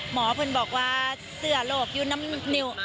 หมอเพียงบอกว่าเสื้อโรคอยู่น้ำนิ้ว